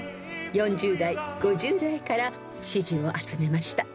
４０代５０代から支持を集めました］